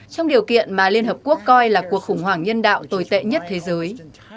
trong điều kiện mà liên hợp quốc coi là cuộc khủng hoảng nhân đạo tồi tệ nhất thế giới